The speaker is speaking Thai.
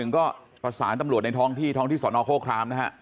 ก็ประสานตำรวจในท้องที่ท้องที่สนโฆครามนะฮะ